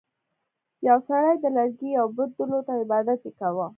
یو سړي د لرګي یو بت درلود او عبادت یې کاوه.